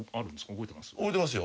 覚えてますよ。